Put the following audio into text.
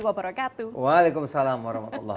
wabarakatuh waalaikumsalam warahmatullahi